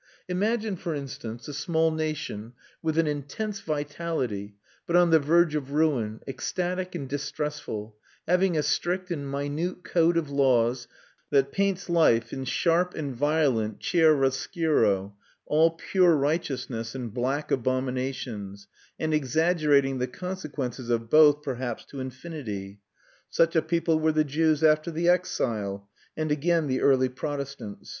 Imagine, for instance, a small nation with an intense vitality, but on the verge of ruin, ecstatic and distressful, having a strict and minute code of laws, that paints life in sharp and violent chiaroscuro, all pure righteousness and black abominations, and exaggerating the consequences of both perhaps to infinity. Such a people were the Jews after the exile, and again the early Protestants.